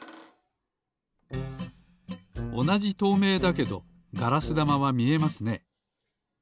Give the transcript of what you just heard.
おなじとうめいだけどガラスだまはみえますね。